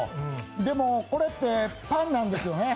でもこれって、パンなんですよね。